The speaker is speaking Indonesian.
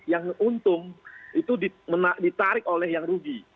yang untung itu ditarik oleh yang rugi